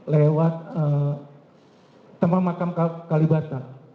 lewat tempat makam kalibata